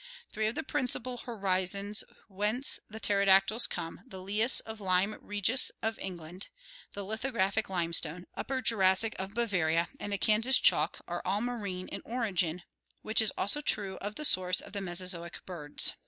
Three of the principal horizons whence these pterodactyls come, the Lias of Lyme Regis of England, the lithographic limestone (Upper Jurassic) of Bavaria, and the Kansas chalk, are all marine in origin, which is also true of the source of the Mesozoic birds.